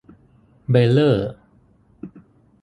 เบรลเลอร์